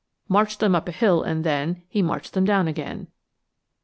marched them up a hill and then He marched them down again."